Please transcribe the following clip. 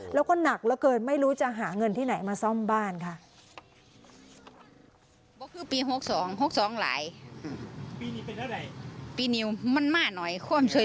แล้วก็หนักเหลือเกินไม่รู้จะหาเงินที่ไหนมาซ่อมบ้านค่ะ